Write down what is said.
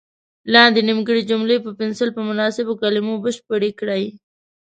لاندې نیمګړې جملې په پنسل په مناسبو کلمو بشپړې کړئ.